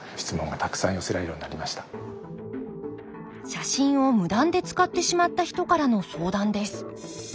写真を無断で使ってしまった人からの相談です。